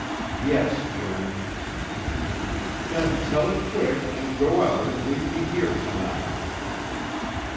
"Yes, Joan." "Then tell it quick and go out and leave me here to night."